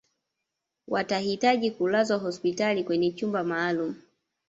watahitaji kulazwa hospitali kwenye chumba maalum